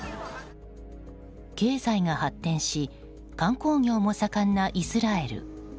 経済が発展し観光業も盛んなイスラエル。